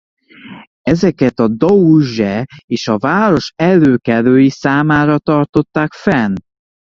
Ezeket a dózse és a város előkelői számára tartották fenn.